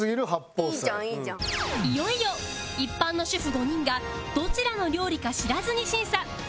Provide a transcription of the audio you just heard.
いよいよ一般の主婦５人がどちらの料理か知らずに審査